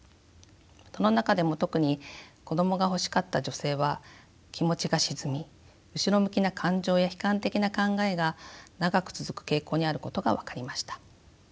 その中でも特に子どもが欲しかった女性は気持ちが沈み後ろ向きな感情や悲観的な考えが長く続く傾向にあることが分かりました。